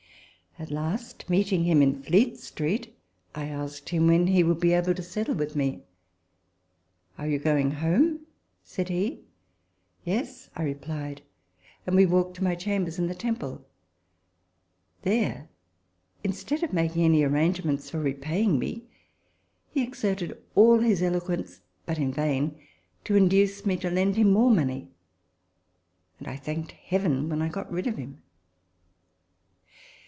At last, meeting him in Fleet Street, I asked him when he should be able to settle with me. " Are you going home ?" said he. " Yes," I replied ; and we walked to my chambers in the Temple. There, instead of making any arrangements for repaying me, he exerted all his eloquence, but in vain, to induce me to lend him more money ; and I thanked Heaven when I got rid of him.